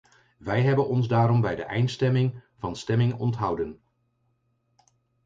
Wij hebben ons daarom bij de eindstemming van stemming onthouden.